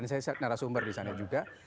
dan saya narasumber di sana juga